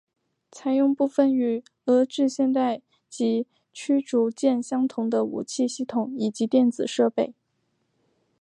采用部分与俄制现代级驱逐舰相同的武器系统以及电子设备。